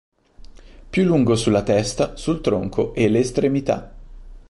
Più lungo sulla testa, sul tronco e le estremità.